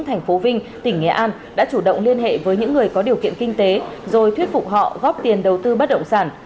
thành phố vinh tỉnh nghệ an đã chủ động liên hệ với những người có điều kiện kinh tế rồi thuyết phục họ góp tiền đầu tư bất động sản